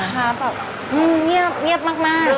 ลูกค้าแบบเงียบเงียบมาก